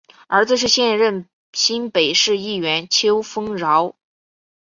儿子是现任新北市议员邱烽尧。